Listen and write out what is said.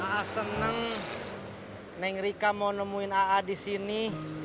maaf seneng neng rika mau nemuin aa di sini